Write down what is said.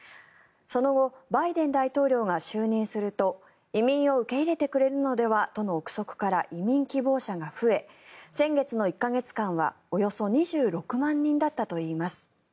その後バイデン大統領が就任すると移民を受け入れてくれるのではとの臆測から移民希望者が増え先月の１か月間はおよそ２６万人だったといいます。